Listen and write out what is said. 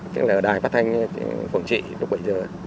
tức là ở đài phát thanh phổng trị lúc bây giờ